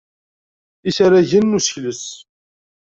Isragen n usekles.